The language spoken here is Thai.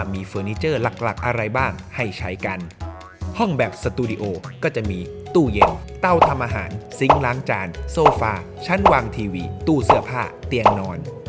เต้าทำอาหารซิงล้างจานโซฟาชั้นวางทีวีตู้เสื้อผ้าเตียงนอน